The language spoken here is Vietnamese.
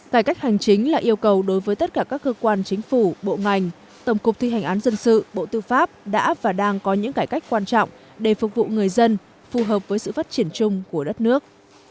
cải cách hành chính là yêu cầu đối với tất cả các cơ quan chính phủ bộ ngành tổng cục thi hành án dân sự bộ tư pháp đã và đang có những cải cách quan trọng để phục vụ người dân phù hợp với sự phát triển chung của đất nước